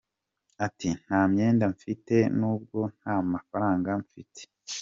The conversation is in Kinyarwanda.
Ati :« Nta myenda mfite n’ubwo nta mafaranga mfite.